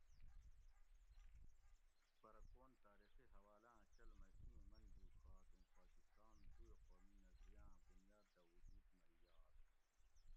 پرہ کون تاریخی حوالاں چل مئ اِیں من جُوڛات اُوں پاکستان دوئ قومی نظریاں بُنیاد دہ وجوُد مئ یات